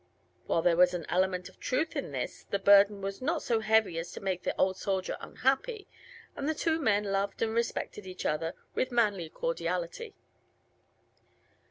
While there was an element of truth in this the burden it was not so heavy as to make the old soldier unhappy, and the two men loved and respected one another with manly cordiality.